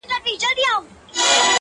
ټولنه چوپتيا ته ترجېح ورکوي تل